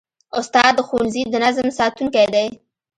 استاد د ښوونځي د نظم ساتونکی دی.